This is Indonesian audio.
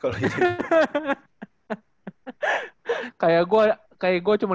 kayak gue cuma ditandingin aja gitu loh